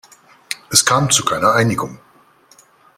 Es kam zu keiner Einigung.